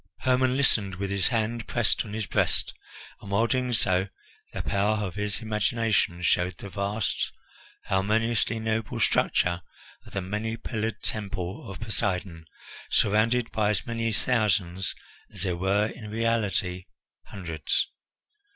Hermon listened with his hand pressed on his breast, and while doing so the power of his imagination showed the vast, harmoniously noble structure of the many pillared Temple of Poseidon, surrounded by as many thousands as there were in reality hundreds.